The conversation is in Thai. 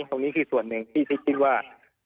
ตรงนี้คือส่วนหนึ่งที่คิดว่า